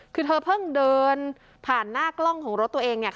คือเธอเพิ่งเดินผ่านหน้ากล้องของรถตัวเองเนี่ย